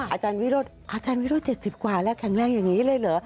อาจารย์วิโรธอาจารย์วิโรธ๗๐กว่าแล้วแข็งแรงอย่างนี้เลยเหรอ